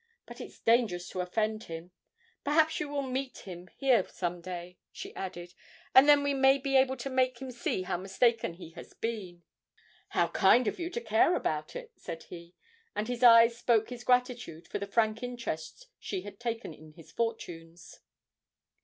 But it's dangerous to offend him. Perhaps you will meet him here some day,' she added, 'and then we may be able to make him see how mistaken he has been.' 'How kind of you to care about it!' said he, and his eyes spoke his gratitude for the frank interest she had taken in his fortunes.